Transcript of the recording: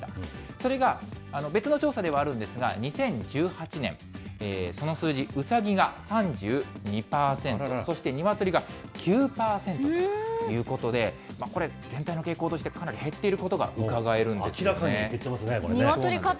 それが別の調査ではあるんですが、２０１８年、その数字、ウサギが３２％、そしてニワトリが９％ということで、これ、全体の傾向としてかなり減っていることがうかがえるんですね。